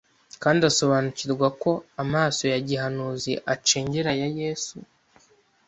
kandi asobanukirwa ¬ko amaso ya gihanuzi acengera ya Yesu